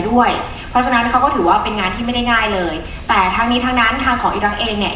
ด้วยเพราะฉะนั้นเขาก็ถือว่าเป็นงานที่ไม่ได้ง่ายเลยแต่ทั้งนี้ทั้งนั้นทางของอีรักษ์เองเนี่ย